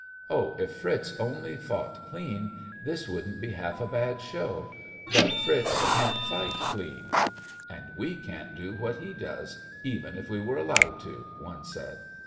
Oh, if Fritz only fought clean, this wouldn't be half a bad show. But Fritz can't fight clean." "And we can't do what he does — even if we were allowed to," one said.